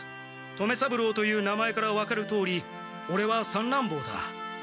留三郎という名前から分かるとおりオレは三男ぼうだ。